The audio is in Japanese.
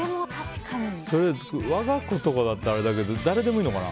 我が子とかだったらあれだけど誰でもいいのかな。